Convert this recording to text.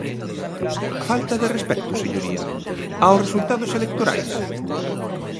¿Falta de respecto, señoría, aos resultados electorais?